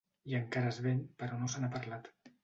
I encara es ven però no se n’ha parlat.